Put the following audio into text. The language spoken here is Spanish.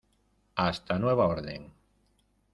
hasta nueva orden.